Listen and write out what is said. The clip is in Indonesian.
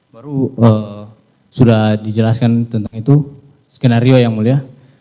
baru sudah dijelaskan tentang itu skenario yang mulia